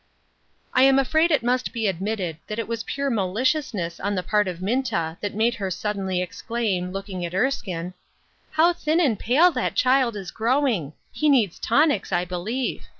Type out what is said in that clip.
I am afraid it must be admitted that it was pure maliciousness on the part of Minta that made her suddenly exclaim, looking at Erskine, "How thin and pale that child is growing ! He needs tonics, I believe.